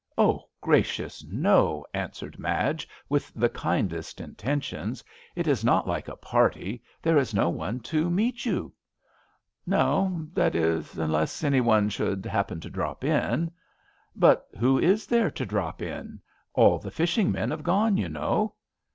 " Oh, gracious I no," answered Madge, with the kindest inten tions. "It is not like a party. There is no one to meet you ?"" No — that is — unless any one should happen to drop in.*' But who is there to drop in in? All the fishing men have gone, you know."